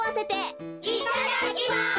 いただきます！